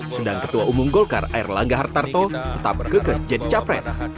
sedang ketua umum golkar air langga hartarto tetap berkekes jadi capres